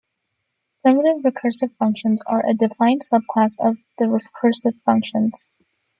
Primitive recursive functions are a defined subclass of the recursive functions.